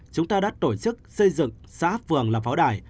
chúng ta đã tổ chức xây dựng xã phường là pháo đài